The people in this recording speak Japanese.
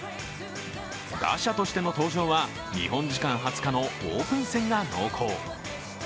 打者としての登場は日本時間２０日のオープン戦が濃厚。